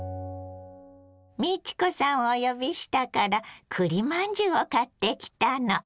美智子さんをお呼びしたからくりまんじゅうを買ってきたの。